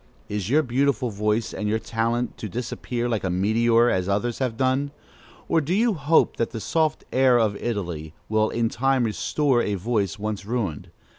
Is your beautiful voice and your talent to disappear like a meteor, as others have done? or do you hope that the soft air of Italy will in time restore a voice once ruined?